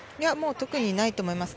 特にないと思いますね。